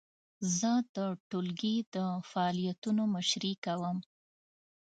زه د ټولګي د فعالیتونو مشري کوم.